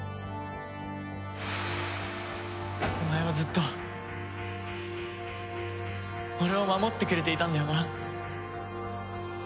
お前はずっと俺を守ってくれていたんだよな。